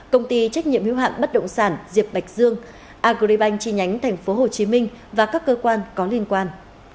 công ty trách nhiệm hiếu hạn bất động sản diệp bạch dương agribank chi nhánh tp hcm và các cơ quan có liên quan